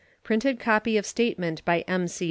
Printed copy of statement by M.C.